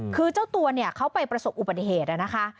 คือเจ้าตัวเนี่ยเขาไปประสบอุบัติเหตุนะคะ